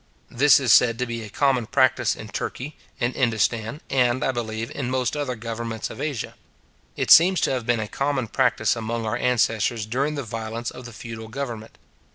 This is said to be a common practice in Turkey, in Indostan, and, I believe, in most other governments of Asia. It seems to have been a common practice among our ancestors during the violence of the feudal government.